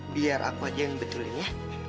biar aku aja yang betulin ya